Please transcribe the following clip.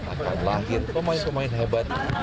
akan lahir pemain pemain hebat